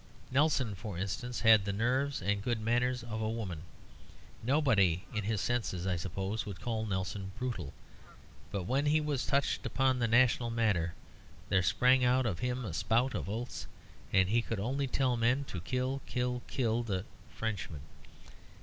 Nelson, for instance, had the nerves and good manners of a woman: nobody in his senses, I suppose, would call Nelson "brutal." But when he was touched upon the national matter, there sprang out of him a spout of oaths, and he could only tell men to "Kill! kill! kill the d d Frenchmen."